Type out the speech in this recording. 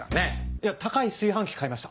いや高い炊飯器買いました。